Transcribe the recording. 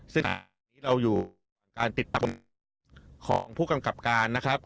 ซึ่งตอนนี้เราอยู่การติดตามของผู้กำกับการนะครับ